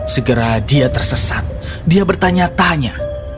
segera dia tersesat dia bertanya tanya